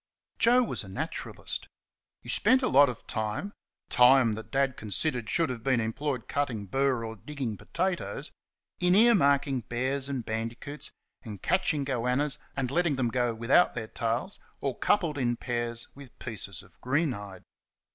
Joe was a naturalist. He spent a lot of time time that Dad considered should have been employed cutting burr or digging potatoes in ear marking bears and bandicoots, and catching goannas and letting them go without their tails, or coupled in pairs with pieces of greenhide.